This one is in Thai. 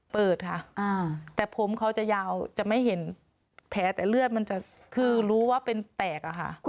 เปิดค่ะแต่ผมเขาจะยาวจะไม่เห็นแผลแต่เลือดมันจะคือรู้ว่าเป็นแตกอะค่ะ